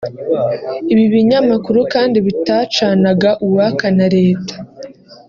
Ibi binyamakuru kandi bitacanaga uwaka na Leta